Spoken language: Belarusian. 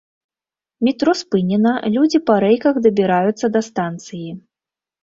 Метро спынена, людзі па рэйках дабіраюцца да станцыі.